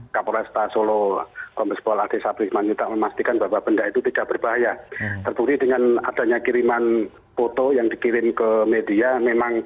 kapolesta solo komerspol adesa prismanita memastikan bahwa benda itu tidak berbahaya